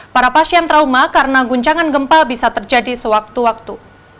para pasien trauma karena guncangan gempa bisa terjadi sewaktu waktu